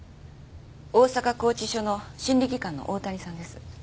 大阪拘置所の心理技官の大谷さんです。